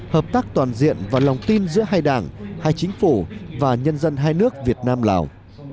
hợp tác toàn diện và lòng tin giữa hai đảng hai chính phủ và nhân dân hai nước việt nam lào